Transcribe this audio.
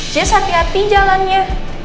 jess hati hati jalannya